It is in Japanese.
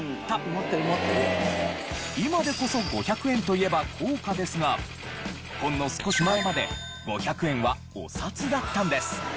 今でこそ５００円といえば硬貨ですがほんの少し前まで５００円はお札だったんです。